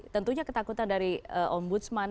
tentunya ketakutan dari ombudsman